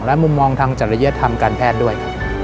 และมุมมองทางจริยธรรมการแพทย์ด้วย